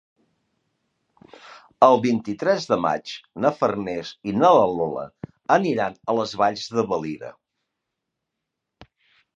El vint-i-tres de maig na Farners i na Lola aniran a les Valls de Valira.